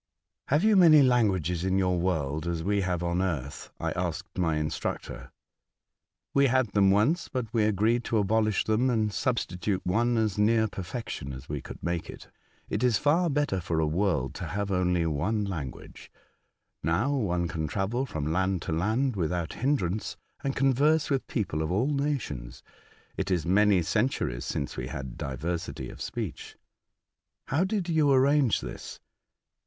"Have you many languages in your world, as they have on earth ?" I asked my instructor. " We had them once, but we agreed to abolish I 2 IIG A Voyage to Other Worlds. them, and substitute one as near perfection as we could make it. It is far better for a world to liave only one language. Now, one can travel from land to land without hindrance, and converse with people of all nations. It is many centuries since we had diversity of speech.'* " How did you arrange this?"